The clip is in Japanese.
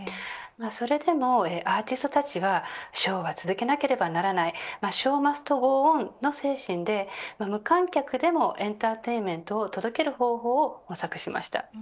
それでもアーティストたちはショーは続けなければならないショー・マスト・ゴー・オンの精神で無観客でもエンターテインメントを届ける方法を模索しました。